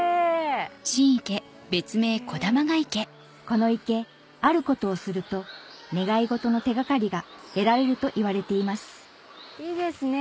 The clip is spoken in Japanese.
この池あることをすると願い事の手掛かりが得られるといわれていますいいですね